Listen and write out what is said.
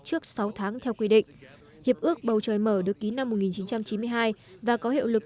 trước sáu tháng theo quy định hiệp ước bầu trời mở được ký năm một nghìn chín trăm chín mươi hai và có hiệu lực